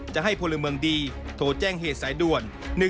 จะให้พลเมืองดีโทรแจ้งเหตุสายด่วน